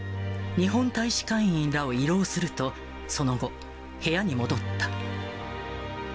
日本大使館員らを慰労すると、その後、部屋に戻った。